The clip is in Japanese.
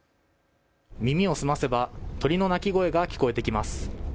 耳を澄ませば鳥の鳴き声が聞こえてきます。